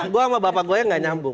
gue sama bapak gue gak nyambung